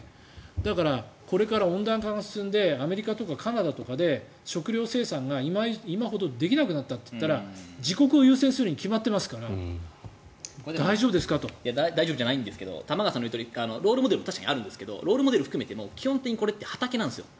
だから、これから温暖化が進んでアメリカとかカナダとかで食料生産が今ほどできなくなったと言ったら自国を優先するに決まってますから大丈夫じゃないんですが玉川さんのいってるとおりロールモデルは確かにあるんですけどロールモデル含めても基本的にこれって畑なんですよ。